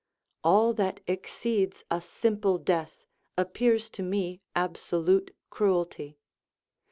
All that exceeds a simple death appears to me absolute cruelty.